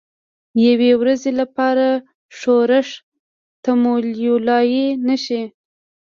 یوې ورځې لپاره ښورښ تمویلولای نه شي.